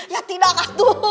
ya tidak atuh